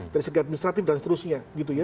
dari segi administratif dan seterusnya gitu ya